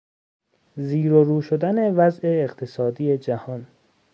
زیر و رو شدن وضع اقتصادی جهان